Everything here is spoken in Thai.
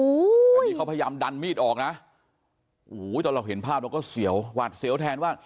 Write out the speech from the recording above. แต่นี่เขาพยายามดันมีดออกนะโอ้โหตอนเราเห็นภาพเราก็เสียวหวาดเสียวแทนว่า